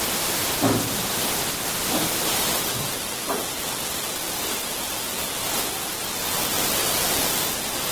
nimemchukua humpati tena na labda nikazungumza matusi mazito Ukizungumza hivi ni vitu vya kawaida